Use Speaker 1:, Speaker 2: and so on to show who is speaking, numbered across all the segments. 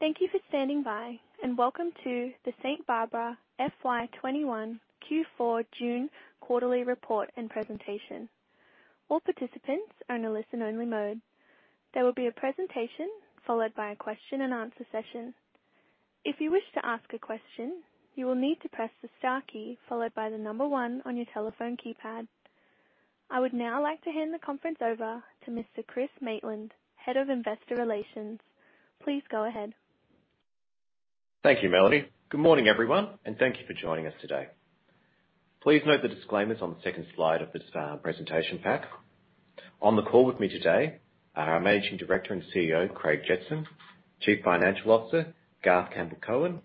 Speaker 1: Thank you for standing by, and welcome to the St Barbara FY 2021 Q4 June quarterly report and presentation. All participants are in a listen-only mode. There will be a presentation followed by a question and answer session. If you wish to ask a question, you will need to press the star key followed by the number one on your telephone keypad. I would now like to hand the conference over to Mr. Chris Maitland, Head of Investor Relations. Please go ahead.
Speaker 2: Thank you, Melody. Good morning, everyone, and thank you for joining us today. Please note the disclaimers on the second slide of this presentation pack. On the call with me today are our Managing Director and CEO, Craig Jetson, Chief Financial Officer, Garth Campbell-Cowan,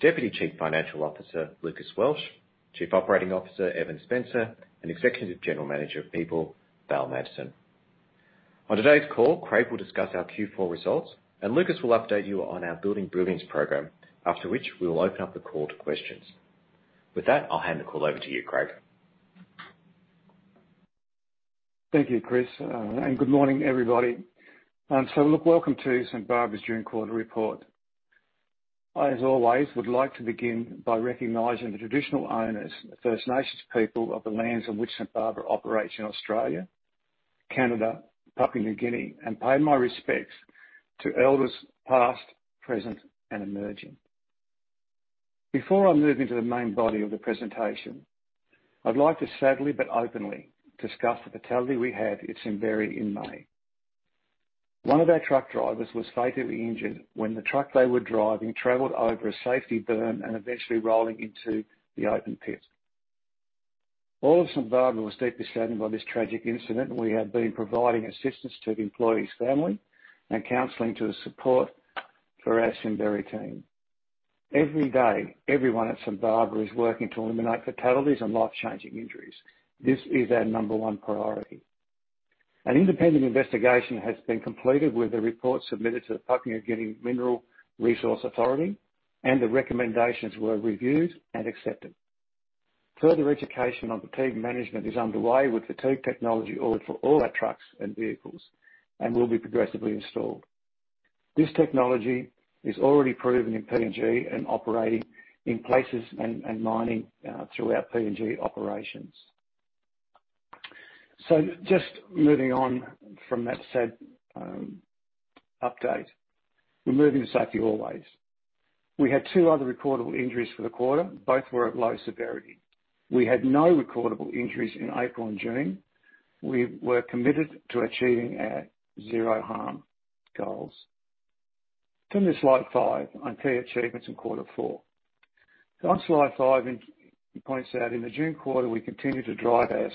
Speaker 2: Deputy Chief Financial Officer, Lucas Welsh, Chief Operating Officer, Evan Spencer, and Executive General Manager of People, Val Madsen. On today's call, Craig will discuss our Q4 results, and Lucas will update you on our Building Brilliance program, after which we will open up the call to questions. With that, I'll hand the call over to you, Craig.
Speaker 3: Thank you, Chris, and good morning, everybody. Look, welcome to St Barbara's June quarter report. I, as always, would like to begin by recognizing the traditional owners and the First Nations people of the lands on which St Barbara operates in Australia, Canada, Papua New Guinea, and pay my respects to elders past, present, and emerging. Before I move into the main body of the presentation, I'd like to sadly but openly discuss the fatality we had at Simberi in May. One of our truck drivers was fatally injured when the truck they were driving traveled over a safety berm and eventually rolling into the open pit. All of St Barbara was deeply saddened by this tragic incident, and we have been providing assistance to the employee's family and counseling to support for our Simberi team. Every day, everyone at St Barbara is working to eliminate fatalities and life-changing injuries. This is our number one priority. An independent investigation has been completed with a report submitted to the Mineral Resource Authority, the recommendations were reviewed and accepted. Further education on fatigue management is underway with fatigue technology ordered for all our trucks and vehicles and will be progressively installed. This technology is already proven in PNG and operating in places and mining throughout PNG operations. Just moving on from that sad update. We are moving to safety always. We had two other recordable injuries for the quarter. Both were of low severity. We had no recordable injuries in April and June. We were committed to achieving our zero harm goals. Turning to slide five on key achievements in quarter four. On slide five, it points out in the June quarter, we continued to drive our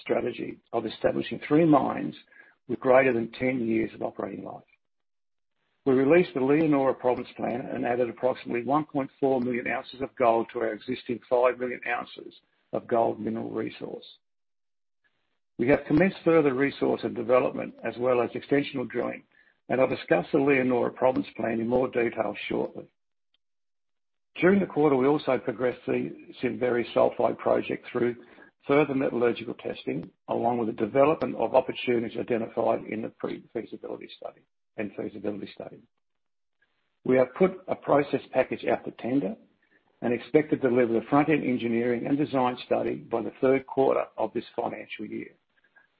Speaker 3: strategy of establishing three mines with greater than 10 years of operating life. We released the Leonora Province Plan and added approximately 1.4 million oz of gold to our existing 5 million oz of gold mineral resource. We have commenced further resource and development, as well as extensional drilling, and I'll discuss the Leonora Province Plan in more detail shortly. During the quarter, we also progressed the Simberi Sulphide Project through further metallurgical testing, along with the development of opportunities identified in the pre-feasibility study and feasibility study. We have put a process package out for tender and expect to deliver the Front-End Engineering and Design study by the third quarter of this financial year.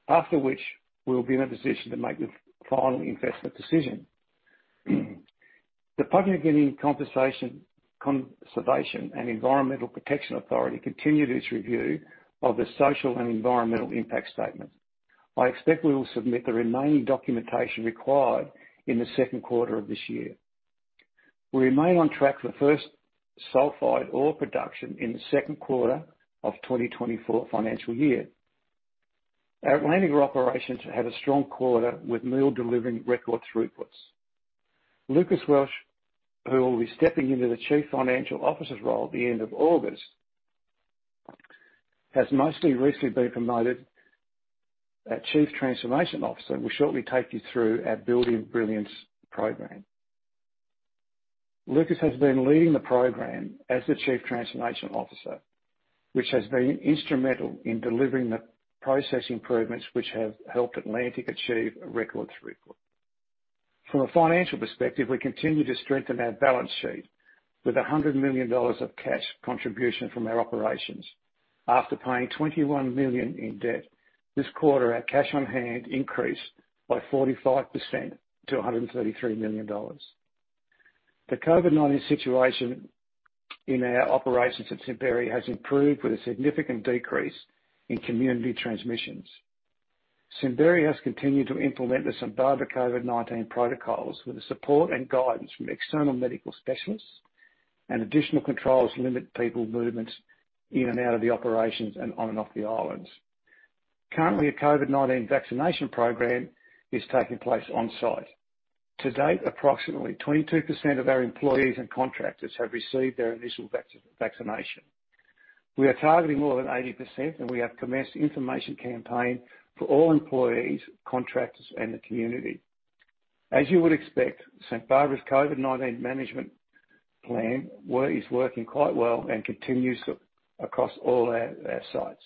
Speaker 3: After which, we'll be in a position to make the final investment decision. The Papua New Guinea Conservation and Environment Protection Authority continued its review of the social and environmental impact statement. I expect we will submit the remaining documentation required in the second quarter of this year. We remain on track for the first sulfide ore production in the second quarter of 2024 financial year. Our Atlantic Operations had a strong quarter with mill delivering record throughputs. Lucas Welsh, who will be stepping into the Chief Financial Officer's role at the end of August, has mostly recently been promoted. Our Chief Transformation Officer will shortly take you through our Building Brilliance program. Lucas has been leading the program as the Chief Transformation Officer, which has been instrumental in delivering the process improvements which have helped Atlantic achieve a record throughput. From a financial perspective, we continue to strengthen our balance sheet with 100 million dollars of cash contribution from our operations. After paying 21 million in debt this quarter, our cash on hand increased by 45% to 133 million dollars. The COVID-19 situation in our operations at Simberi has improved with a significant decrease in community transmissions. Simberi has continued to implement the St Barbara COVID-19 protocols with the support and guidance from external medical specialists, additional controls limit people movements in and out of the operations and on and off the islands. Currently, a COVID-19 vaccination program is taking place on-site. To date, approximately 22% of our employees and contractors have received their initial vaccination. We are targeting more than 80%, we have commenced information campaign for all employees, contractors, and the community. As you would expect, St Barbara's COVID-19 management plan is working quite well and continues across all our sites.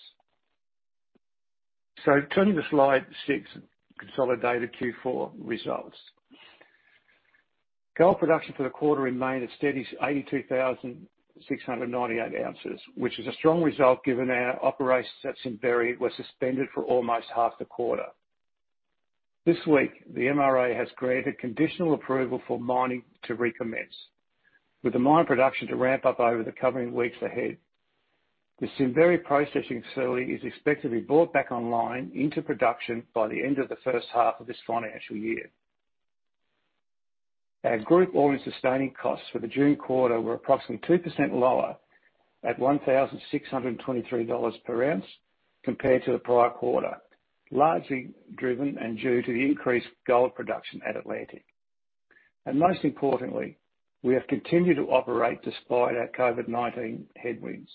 Speaker 3: Turning to slide six, consolidated Q4 results. Gold production for the quarter remained a steady 82,698 oz, which is a strong result given our operations at Simberi were suspended for almost half the quarter. This week, the MRA has granted conditional approval for mining to recommence, with the mine production to ramp up over the coming weeks ahead. The Simberi processing facility is expected to be brought back online into production by the end of the first half of this financial year. Our group all-in sustaining costs for the June quarter were approximately 2% lower at 1,623 dollars per ounce compared to the prior quarter, largely driven and due to the increased gold production at Atlantic. Most importantly, we have continued to operate despite our COVID-19 headwinds.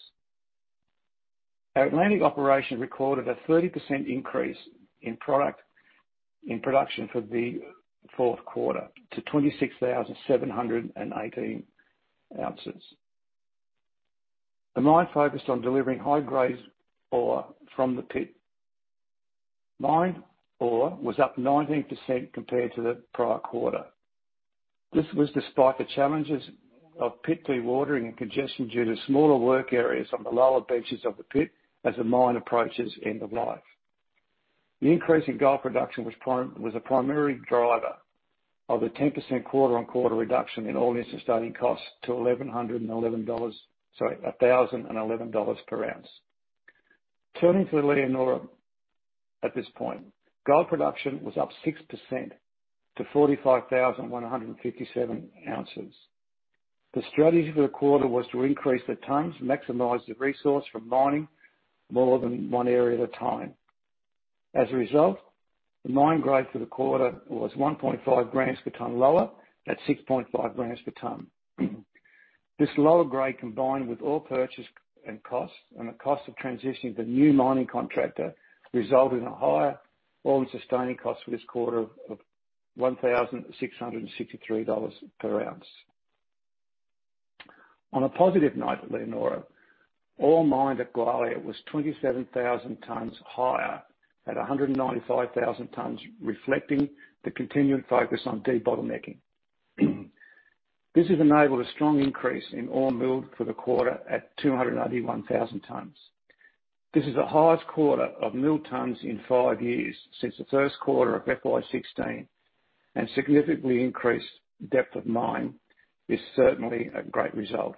Speaker 3: Our Atlantic operation recorded a 30% increase in production for the fourth quarter to 26,718 oz. The mine focused on delivering high-grade ore from the pit. Mined ore was up 19% compared to the prior quarter. This was despite the challenges of pit dewatering and congestion due to smaller work areas on the lower benches of the pit as the mine approaches end of life. The increase in gold production was a primary driver of the 10% quarter-on-quarter reduction in all-in sustaining costs to 1,111 dollars per ounce. Turning to Leonora at this point. Gold production was up 6% to 45,157 oz. The strategy for the quarter was to increase the tons, maximize the resource from mining more than one area at a time. The mine grade for the quarter was 1.5 g per ton lower at 6.5 g per ton. This lower grade, combined with ore purchase and cost and the cost of transitioning to the new mining contractor, result in a higher all-in sustaining cost for this quarter of 1,663 dollars per ounce. On a positive note at Leonora, ore mined at Gwalia was 27,000 tons higher at 195,000 tons, reflecting the continued focus on debottlenecking. This has enabled a strong increase in ore milled for the quarter at 281,000 tons. This is the highest quarter of milled tons in five years since the first quarter of FY 2016. Significantly increased depth of mine is certainly a great result.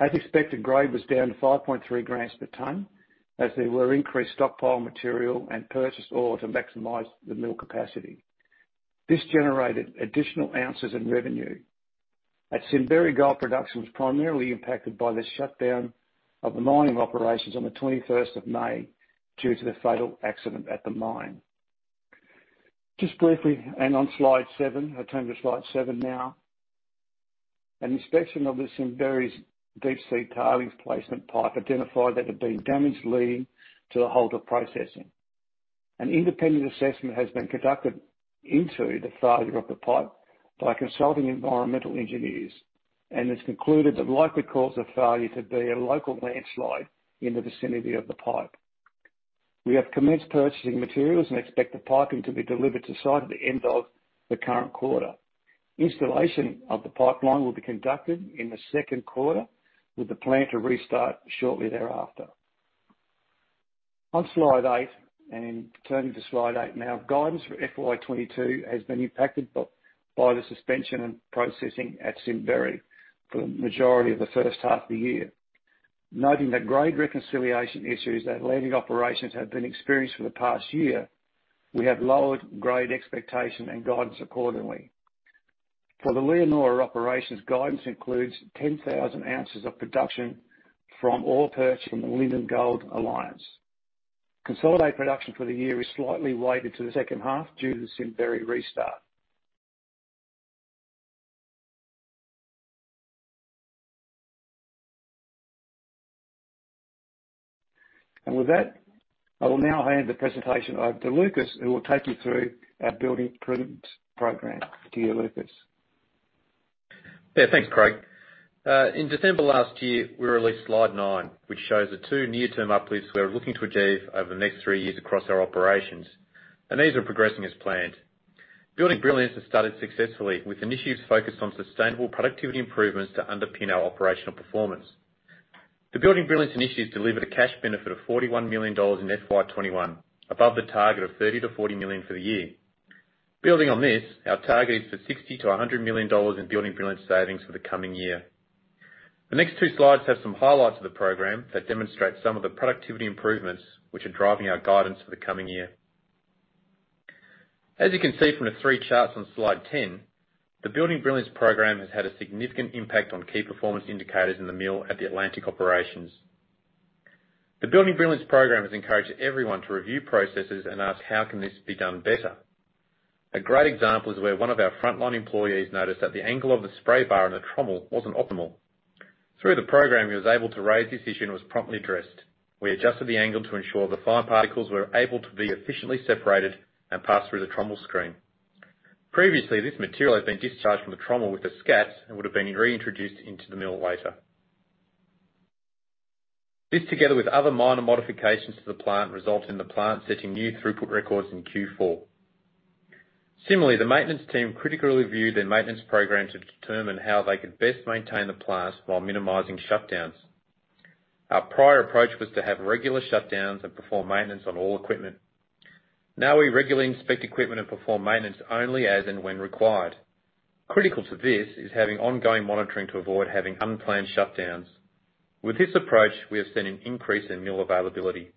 Speaker 3: As expected, grade was down 5.3 g per ton, as there were increased stockpile material and purchased ore to maximize the mill capacity. This generated additional ounces in revenue. At Simberi, gold production was primarily impacted by the shutdown of the mining operations on the 21st of May due to the fatal accident at the mine. Just briefly on slide seven, I turn to slide seven now. An inspection of the Simberi's deep sea tailings placement pipe identified that it had been damaged, leading to the halt of processing. An independent assessment has been conducted into the failure of the pipe by consulting environmental engineers, it's concluded the likely cause of failure to be a local landslide in the vicinity of the pipe. We have commenced purchasing materials and expect the piping to be delivered to site at the end of the current quarter. Installation of the pipeline will be conducted in the second quarter with the plan to restart shortly thereafter. On slide eight, turning to slide 8 now. Guidance for FY 2022 has been impacted by the suspension and processing at Simberi for the majority of the first half of the year. Noting that grade reconciliation issues at Atlantic operations have been experienced for the past year, we have lowered grade expectation and guidance accordingly. For the Leonora operations, guidance includes 10,000 oz of production from ore purchased from the Linden Gold Alliance. Consolidated production for the year is slightly weighted to the second half due to the Simberi restart. With that, I will now hand the presentation over to Lucas, who will take you through our Building Brilliance program. To you, Lucas.
Speaker 4: Thanks, Craig. In December last year, we released slide nine, which shows the two near-term uplifts we are looking to achieve over the next three years across our operations. These are progressing as planned. Building Brilliance has started successfully with initiatives focused on sustainable productivity improvements to underpin our operational performance. The Building Brilliance initiative delivered a cash benefit of AUD 41 million in FY 2021, above the target of AUD 30 million-40 million for the year. Building on this, our target is for AUD 60 million-100 million in Building Brilliance savings for the coming year. The next two slides have some highlights of the program that demonstrate some of the productivity improvements, which are driving our guidance for the coming year. As you can see from the three charts on slide 10, the Building Brilliance program has had a significant impact on key performance indicators in the mill at the Atlantic operations. The Building Brilliance program has encouraged everyone to review processes and ask, how can this be done better? A great example is where one of our frontline employees noticed that the angle of the spray bar in the trommel wasn't optimal. Through the program, he was able to raise this issue, and it was promptly addressed. We adjusted the angle to ensure the fine particles were able to be efficiently separated and pass through the trommel screen. Previously, this material had been discharged from the trommel with the scats and would have been reintroduced into the mill later. This together with other minor modifications to the plant, result in the plant setting new throughput records in Q4. Similarly, the maintenance team critically viewed their maintenance program to determine how they could best maintain the plant while minimizing shutdowns. Our prior approach was to have regular shutdowns and perform maintenance on all equipment. Now we regularly inspect equipment and perform maintenance only as and when required. Critical to this is having ongoing monitoring to avoid having unplanned shutdowns. With this approach, we have seen an increase in mill availability.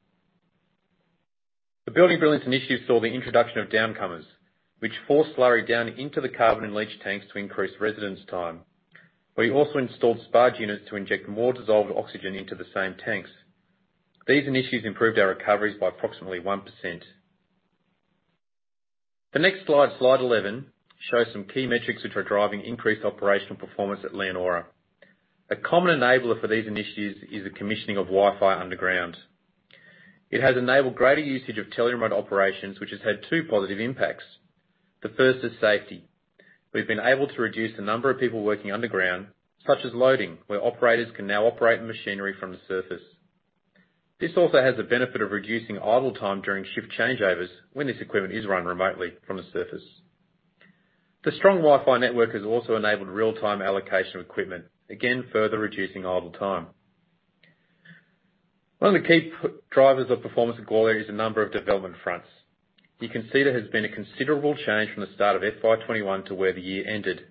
Speaker 4: The Building Brilliance initiative saw the introduction of downcomers, which force slurry down into the carbon and leach tanks to increase residence time. We also installed sparge units to inject more dissolved oxygen into the same tanks. These initiatives improved our recoveries by approximately 1%. The next slide, slide 11, shows some key metrics which are driving increased operational performance at Leonora. A common enabler for these initiatives is the commissioning of Wi-Fi underground. It has enabled greater usage of tele-remote operations, which has had two positive impacts. The first is safety. We've been able to reduce the number of people working underground, such as loading, where operators can now operate machinery from the surface. This also has the benefit of reducing idle time during shift changeovers when this equipment is run remotely from the surface. The strong Wi-Fi network has also enabled real-time allocation of equipment, again, further reducing idle time. One of the key drivers of performance at Gwalia is the number of development fronts. You can see there has been a considerable change from the start of FY 2021 to where the year ended.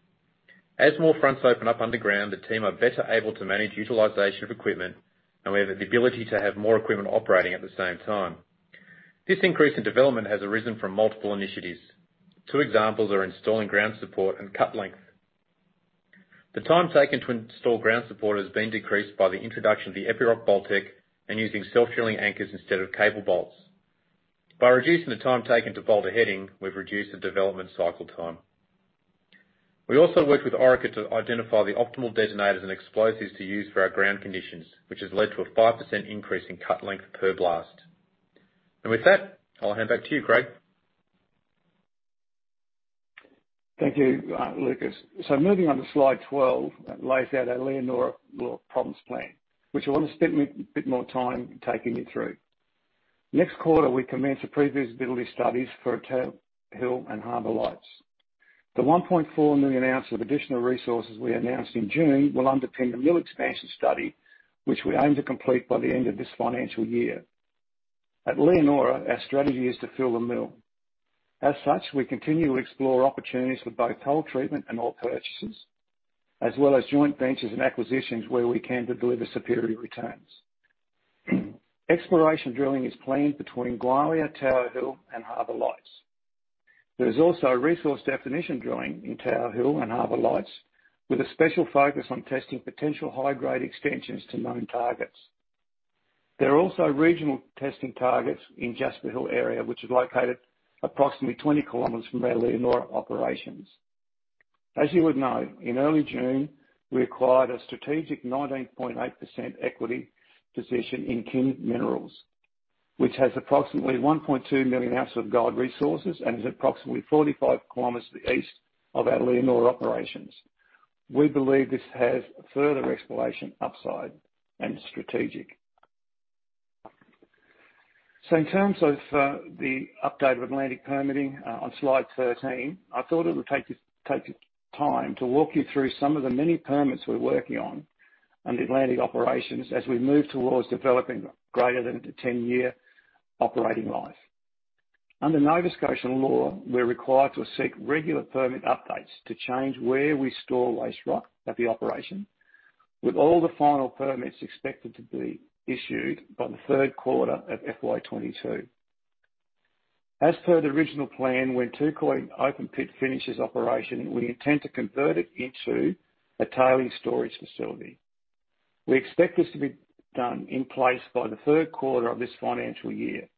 Speaker 4: As more fronts open up underground, the team are better able to manage utilization of equipment, and we have the ability to have more equipment operating at the same time. This increase in development has arisen from multiple initiatives. Two examples are installing ground support and cut length. The time taken to install ground support has been decreased by the introduction of the Epiroc Boltec and using self-drilling anchors instead of cable bolts. By reducing the time taken to bolt a heading, we've reduced the development cycle time. We also worked with Orica to identify the optimal detonators and explosives to use for our ground conditions, which has led to a 5% increase in cut length per blast. With that, I'll hand back to you, Craig.
Speaker 3: Thank you, Lucas. Moving on to slide 12, that lays out our Leonora Province Plan, which I want to spend a bit more time taking you through. Next quarter, we commence the pre-feasibility studies for Tower Hill and Harbour Lights. The 1.4 million oz of additional resources we announced in June will underpin the mill expansion study, which we aim to complete by the end of this financial year. At Leonora, our strategy is to fill the mill. As such, we continue to explore opportunities for both toll treatment and ore purchases, as well as joint ventures and acquisitions where we can to deliver superior returns. Exploration drilling is planned between Gwalia, Tower Hill and Harbour Lights. There is also resource definition drilling in Tower Hill and Harbour Lights, with a special focus on testing potential high-grade extensions to known targets. There are also regional testing targets in Jasper Hill area, which is located approximately 20 km from our Leonora operations. As you would know, in early June, we acquired a strategic 19.8% equity position in Kin minerals, which has approximately 1.2 million oz of gold resources and is approximately 45 km east of our Leonora operations. We believe this has further exploration upside and is strategic. In terms of the update of Atlantic permitting on slide 13, I thought it would take time to walk you through some of the many permits we're working on on the Atlantic operations as we move towards developing greater than a 10-year operating life. Under Nova Scotian law, we're required to seek regular permit updates to change where we store waste rock at the operation, with all the final permits expected to be issued by the third quarter of FY 2022. As per the original plan, when Touquoy Open Pit finishes operation, we intend to convert it into a tailings storage facility. We expect this to be done in place by the third quarter of this financial year.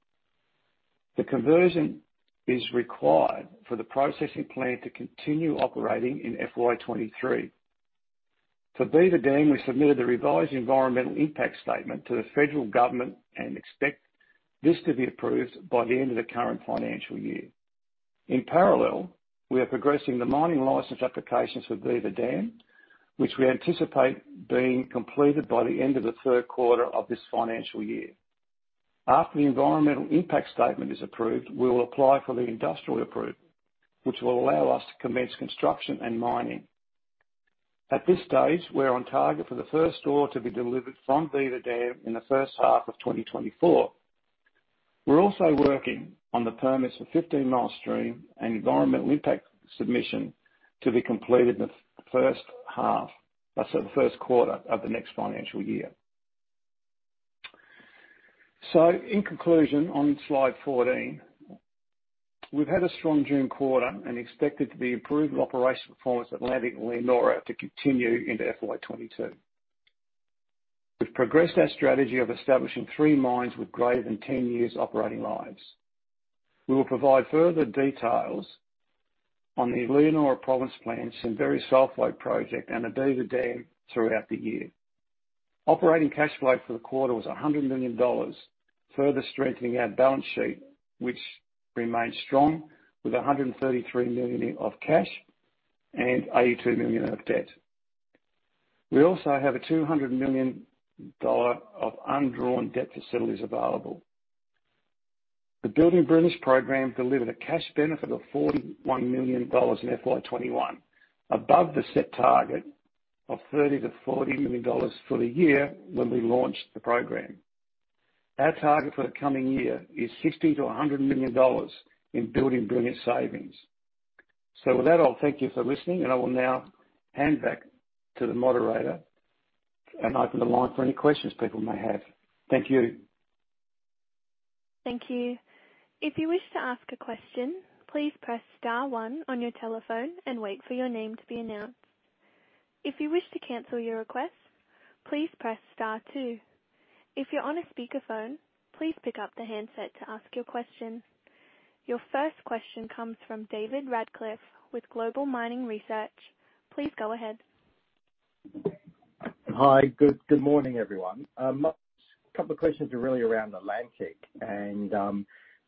Speaker 3: The conversion is required for the processing plant to continue operating in FY 2023. For Beaver Dam, we submitted the revised environmental impact statement to the federal government and expect this to be approved by the end of the current financial year. In parallel, we are progressing the mining license applications for Beaver Dam, which we anticipate being completed by the end of the third quarter of this financial year. After the environmental impact statement is approved, we will apply for the industrial approval, which will allow us to commence construction and mining. At this stage, we're on target for the first ore to be delivered from Beaver Dam in the first half of 2024. We're also working on the permits for Fifteen Mile Stream and environmental impact submission to be completed in the first half, I'm sorry, the first quarter of the next financial year. In conclusion, on slide 14, we've had a strong June quarter and expected the improved operational performance at Atlantic and Leonora to continue into FY 2022. We've progressed our strategy of establishing three mines with greater than 10 years operating lives. We will provide further details on the Leonora Province Plans, the Simberi Sulphide Project, and the Beaver Dam throughout the year. Operating cash flow for the quarter was 100 million dollars, further strengthening our balance sheet, which remains strong with 133 million of cash and 82 million of debt. We also have 200 million dollar of undrawn debt facilities available. The Building Brilliance program delivered a cash benefit of 41 million dollars in FY 2021, above the set target of 30 million-40 million dollars for the year when we launched the program. Our target for the coming year is 60 million-100 million dollars in Building Brilliance savings. With that, I'll thank you for listening, and I will now hand back to the moderator and open the line for any questions people may have. Thank you.
Speaker 1: Thank you. If you wish to ask a question, please press star one on your telephone and wait for your name to be announced. If you wish to cancel your request, please press star two. If you're on a speakerphone, please pick up the handset to ask your question. Your first question comes from David Radclyffe with Global Mining Research. Please go ahead.
Speaker 5: Hi. Good morning, everyone. A couple of questions are really around Atlantic and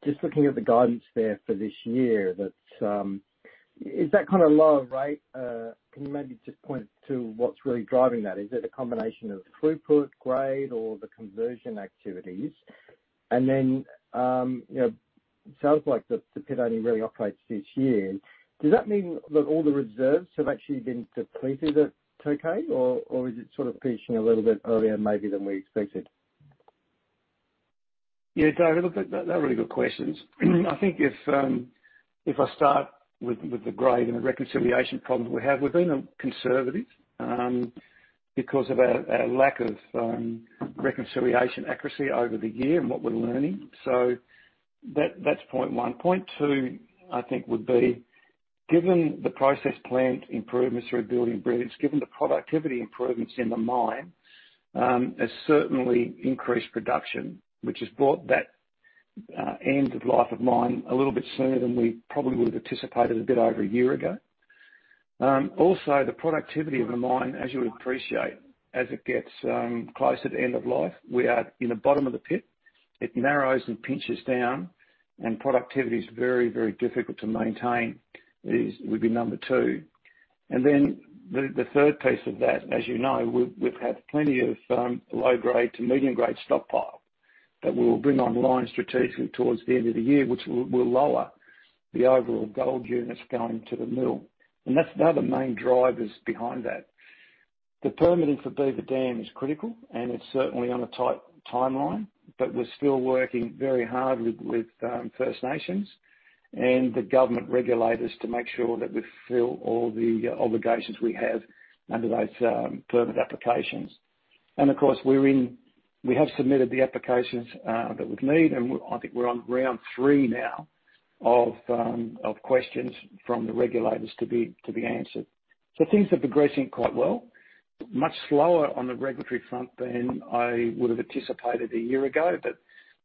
Speaker 5: just looking at the guidance there for this year, is that kind of low rate, can you maybe just point to what's really driving that is it the throughput grade or the conversion activities? Then, sounds like the pit only really operates this year. Does that mean that all the reserves have actually been depleted at Touquoy, or is it sort of pinching a little bit earlier maybe than we expected?
Speaker 3: Yeah, David, look, they're really good questions. I think if I start with the grade and the reconciliation problems we have, we've been conservative, because of our lack of reconciliation accuracy over the year and what we're learning. That's point one. Point two, I think, would be, given the process plant improvements through Building Brilliance, given the productivity improvements in the mine, has certainly increased production, which has brought that end of life of mine a little bit sooner than we probably would have anticipated a bit over a year ago. Also, the productivity of the mine, as you would appreciate, as it gets closer to end of life, we are in the bottom of the pit. It narrows and pinches down, productivity is very difficult to maintain, would be number two. The third piece of that, as you know, we've had plenty of low-grade to medium-grade stockpile that we will bring online strategically towards the end of the year, which will lower the overall gold units going to the mill. They're the main drivers behind that. The permitting for Beaver Dam is critical, and it's certainly on a tight timeline, but we're still working very hard with First Nations and the government regulators to make sure that we fulfill all the obligations we have under those permit applications. Of course, we have submitted the applications that we'd need, and I think we're on round three now of questions from the regulators to be answered. Things are progressing quite well, much slower on the regulatory front than I would have anticipated a year ago, but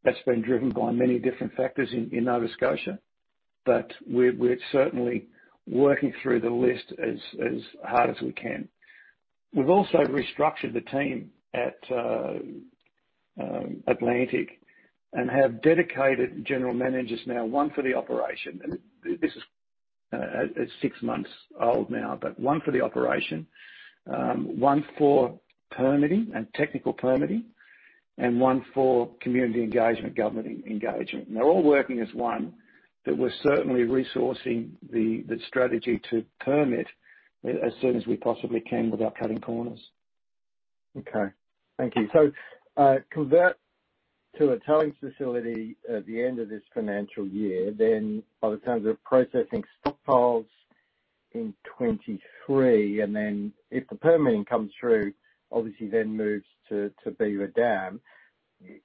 Speaker 3: that's been driven by many different factors in Nova Scotia. We're certainly working through the list as hard as we can. We've also restructured the team at Atlantic and have dedicated general managers now, one for the operation. This is six months old now, but one for the operation, one for permitting and technical permitting, and one for community engagement, government engagement. They're all working as one, but we're certainly resourcing the strategy to permit as soon as we possibly can without cutting corners.
Speaker 5: Okay. Thank you. Convert to a tailings facility at the end of this financial year, by the terms of processing stockpiles in 2023, and if the permitting comes through, obviously moves to Beaver Dam.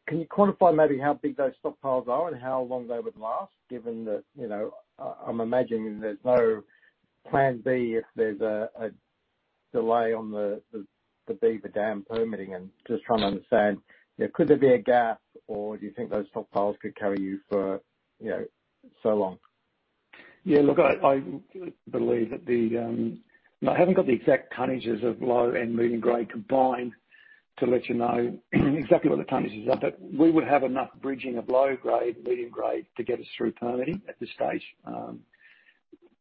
Speaker 5: Can you quantify maybe how big those stockpiles are and how long they would last, given that, I'm imagining there's no plan B if there's a delay on the Beaver Dam permitting and just trying to understand. Could there be a gap, or do you think those stockpiles could carry you for so long?
Speaker 3: Yeah, look, I believe that I haven't got the exact tonnages of low and medium grade combined to let you know exactly what the tonnages are. We would have enough bridging of low grade, medium grade to get us through permitting at this stage.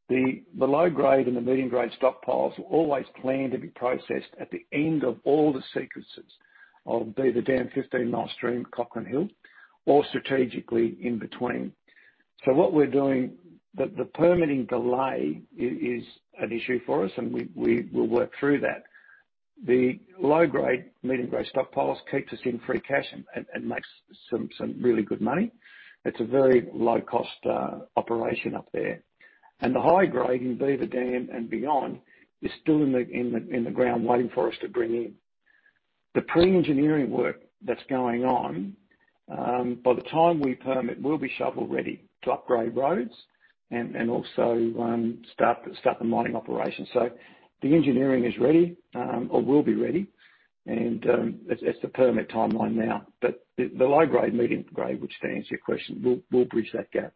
Speaker 3: The low grade and the medium grade stockpiles were always planned to be processed at the end of all the sequences of Beaver Dam, Fifteen Mile Stream, Cochrane Hill, or strategically in between. What we're doing, the permitting delay is an issue for us, and we'll work through that. The low grade, medium grade stockpiles keeps us in free cash and makes some really good money. It's a very low-cost operation up there. The high grade in Beaver Dam and beyond is still in the ground waiting for us to bring in. The pre-engineering work that's going on, by the time we permit, we'll be shovel-ready to upgrade roads and also start the mining operations. The engineering is ready, or will be ready, and it's the permit timeline now. The low grade, medium grade, which to answer your question, will bridge that gap.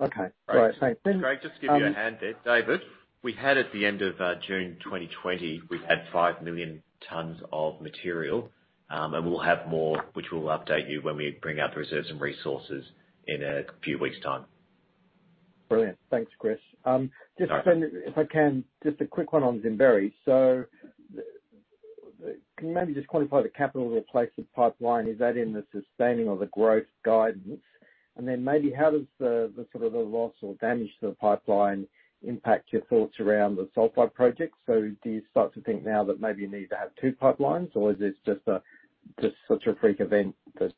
Speaker 5: Okay. All right. Thanks.
Speaker 2: Great. Just to give you a hand there, David. We had at the end of June 2020, we had 5 million tons of material. We'll have more, which we'll update you when we bring out the reserves and resources in a few weeks' time.
Speaker 5: Brilliant. Thanks, Chris. Just if I can, just a quick one on Simberi. Can you maybe just quantify the capital replacement pipeline? Is that in the sustaining or the growth guidance? Then maybe how does the loss or damage to the pipeline impact your thoughts around the Sulphide Project? Do you start to think now that maybe you need to have two pipelines, or is this just such a freak event that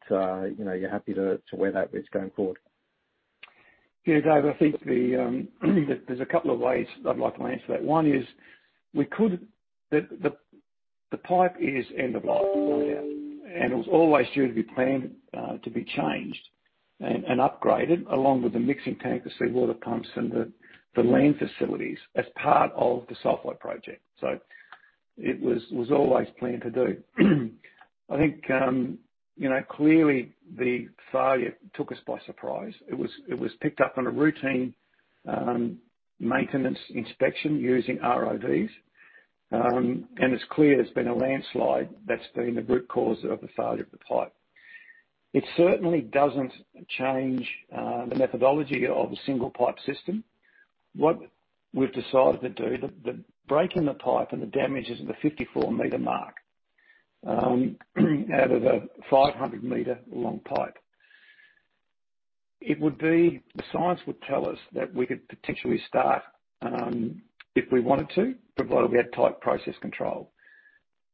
Speaker 5: you're happy to weigh that risk going forward?
Speaker 3: Yeah, David, I think there's a couple of ways I'd like to answer that. One is, the pipe is end of life, no doubt, and it was always due to be planned to be changed and upgraded along with the mixing tank, the seawater pumps, and the land facilities as part of the Sulphide Project. It was always planned to do. I think clearly, the failure took us by surprise. It was picked up on a routine maintenance inspection using RODs. It's clear there's been a landslide that's been the root cause of the failure of the pipe. It certainly doesn't change the methodology of a single-pipe system. What we've decided to do, the break in the pipe and the damage is at the 54 m mark out of a 500 m long pipe. The science would tell us that we could potentially start if we wanted to, provided we had tight process control.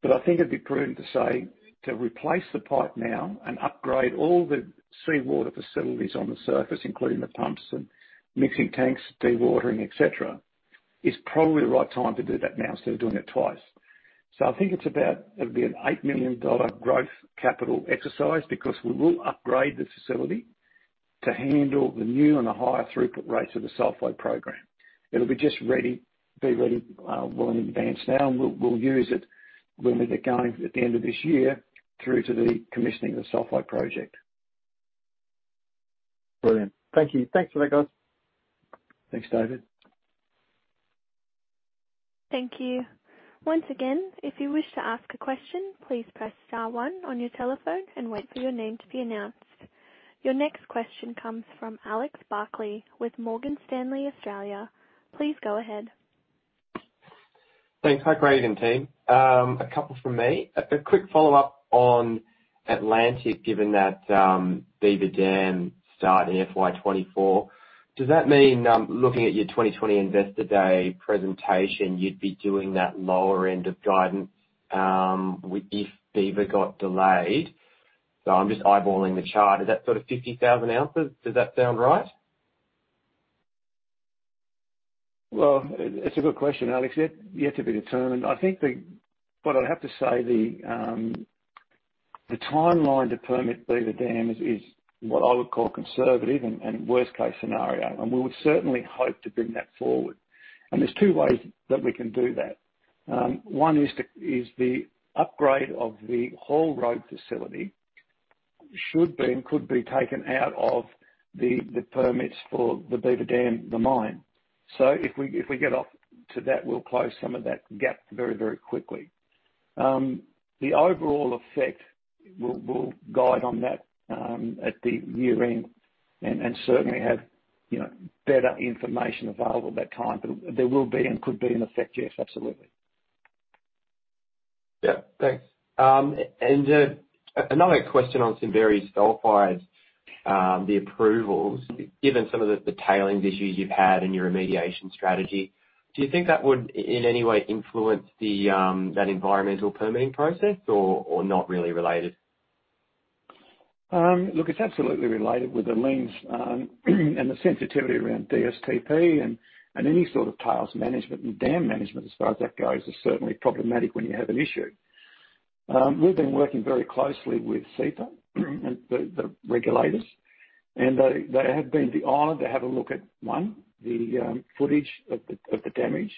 Speaker 3: I think it'd be prudent to say to replace the pipe now and upgrade all the seawater facilities on the surface, including the pumps and mixing tanks, dewatering, et cetera, is probably the right time to do that now instead of doing it twice. I think it'll be an 8 million dollar growth capital exercise because we will upgrade the facility to handle the new and the higher throughput rates of the Sulphide program. It'll be just ready, well in advance now, and we'll use it when we get going at the end of this year through to the commissioning of the Sulphide Project.
Speaker 5: Brilliant. Thank you. Thanks for that, guys.
Speaker 3: Thanks, David.
Speaker 1: Thank you. Once again, if you wish to ask a question, please press star one on your telephone and wait for your name to be announced. Your next question comes from Alex Barclay with Morgan Stanley Australia. Please go ahead.
Speaker 6: Thanks. Hi, Craig and team. A couple from me. A quick follow-up on Atlantic, given that Beaver Dam start in FY 2024, does that mean, looking at your 2020 Investor Day presentation, you'd be doing that lower end of guidance if Beaver got delayed? I'm just eyeballing the chart. Is that 50,000 oz? Does that sound right?
Speaker 3: Well, it's a good question, Alex. Yet to be determined. I think what I'd have to say, the timeline to permit Beaver Dam is what I would call conservative and worst-case scenario, we would certainly hope to bring that forward. There's two ways that we can do that. One is the upgrade of the whole road facility should be and could be taken out of the permits for the Beaver Dam, the mine. If we get off to that, we'll close some of that gap very, very quickly. The overall effect, we'll guide on that at the year-end and certainly have better information available that time. There will be and could be an effect, yes, absolutely.
Speaker 6: Yeah, thanks. Another question on Simberi Sulphide, the approvals. Given some of the tailings issues you've had in your remediation strategy, do you think that would, in any way, influence that environmental permitting process or not really related?
Speaker 3: It's absolutely related with the lens and the sensitivity around DSTP and any sort of tails management and dam management as far as that goes, is certainly problematic when you have an issue. We've been working very closely with CEPA and the regulators, and they have been beyond to have a look at, one, the footage of the damage.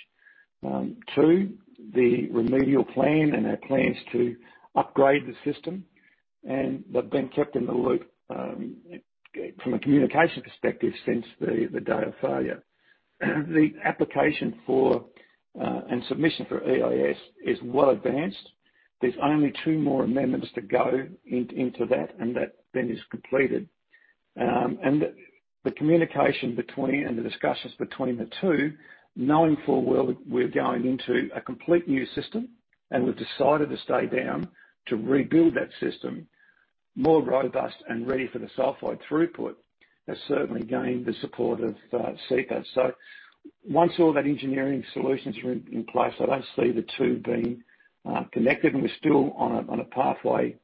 Speaker 3: Two, the remedial plan and our plans to upgrade the system. They've been kept in the loop from a communication perspective since the day of failure. The application for and submission for EIS is well advanced. There's only two more amendments to go into that, and that then is completed. The communication and the discussions between the two, knowing full well we're going into a complete new system and we've decided to stay down to rebuild that system more robust and ready for the sulphide throughput, has certainly gained the support of CEPA. Once all that engineering solutions are in place, I don't see the two being connected, and we're still on a pathway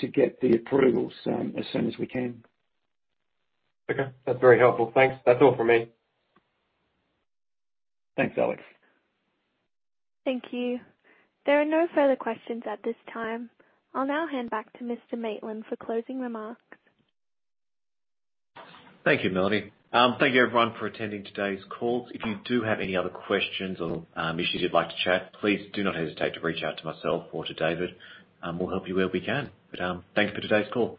Speaker 3: to get the approvals as soon as we can.
Speaker 6: Okay. That's very helpful. Thanks. That's all from me.
Speaker 3: Thanks, Alex.
Speaker 1: Thank you. There are no further questions at this time. I'll now hand back to Mr. Maitland for closing remarks.
Speaker 2: Thank you, Melanie. Thank you everyone for attending today's call. If you do have any other questions or issues you'd like to chat, please do not hesitate to reach out to myself or to David. We'll help you where we can. Thanks for today's call.